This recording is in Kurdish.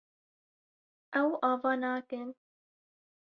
Ew ava nakin.